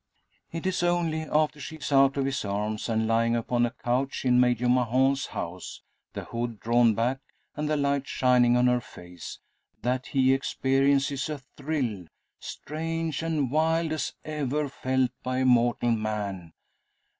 It is only after she is out of his arms; and lying upon a couch in Major Mahon's house the hood drawn back and the light shining on her face that he experiences a thrill, strange and wild as ever felt by mortal man!